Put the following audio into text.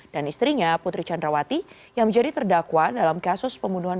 dan istrinya putri candrawati yang menjadi terdakwa dalam kasus pembunuhan